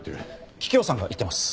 桔梗さんが行ってます。